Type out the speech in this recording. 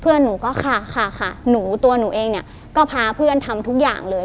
หนูก็ค่ะค่ะหนูตัวหนูเองเนี่ยก็พาเพื่อนทำทุกอย่างเลย